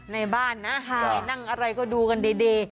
ในบ้านนะยังไงนั่งอะไรก็ดูกันดี